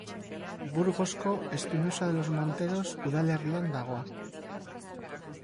Burgosko Espinosa de los Monteros udalerrian dago.